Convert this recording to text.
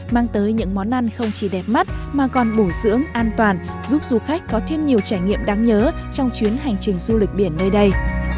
mang tới những món ăn không chỉ đẹp mắt mà còn bổ dưỡng an toàn giúp du khách có thêm nhiều trải nghiệm đáng nhớ trong chuyến hành trình du lịch biển nơi đây